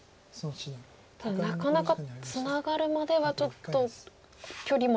ただなかなかツナがるまではちょっと距離もありますよね。